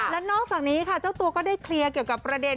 และนอกจากนี้ค่ะเจ้าตัวก็ได้เคลียร์เกี่ยวกับประเด็น